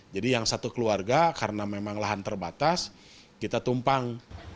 jadi yang satu keluarga karena memang lahan terbatas kita tumpang